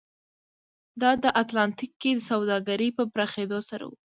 دا د اتلانتیک کې سوداګرۍ په پراخېدو سره و.